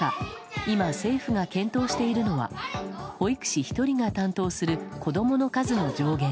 今、政府が検討しているのは保育士１人が担当する子供の数の上限。